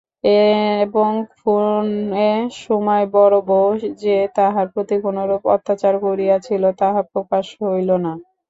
এবং খুনে সময় বড়োবউ যে তাহার প্রতি কোনোরূপ অত্যাচার করিয়াছিল তাহা প্রকাশ হইল না।